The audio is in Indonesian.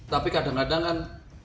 tapi kadang kadang kan